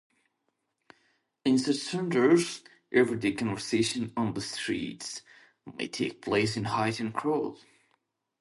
In such centers, everyday conversations on the street may take place in Haitian Creole.